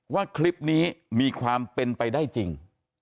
ว่าคลิปนี้มีความเป็นไปได้จริง